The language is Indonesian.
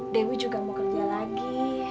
dewi juga mau kerja lagi